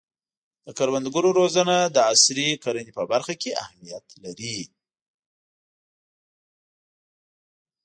د کروندګرو روزنه د عصري کرنې په برخه کې اهمیت لري.